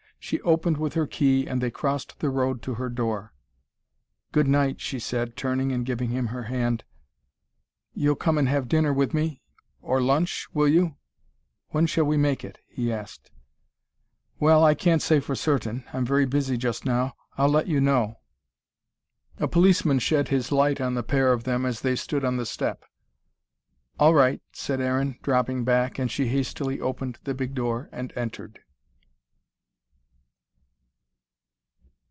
She opened with her key, and they crossed the road to her door. "Good night," she said, turning and giving him her hand. "You'll come and have dinner with me or lunch will you? When shall we make it?" he asked. "Well, I can't say for certain I'm very busy just now. I'll let you know." A policeman shed his light on the pair of them as they stood on the step. "All right," said Aaron, dropping back, and she hastily opened the big door, and entered.